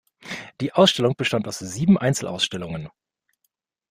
Die Ausstellung bestand aus sieben Einzelausstellungen.